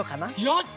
やった！